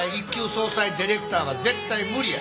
葬祭ディレクターは絶対無理や。